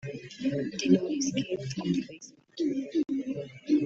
The noise came from the basement.